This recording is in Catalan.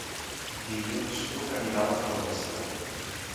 Dilluns n'Hug anirà a la Floresta.